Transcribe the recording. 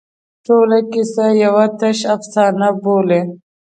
ټوله کیسه یوه تشه افسانه بولي.